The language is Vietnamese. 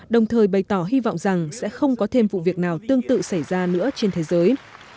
đồng thời bày tỏ hy vọng rằng sẽ không có thêm vụ việc nào tương tự xảy ra nữa trên thế giới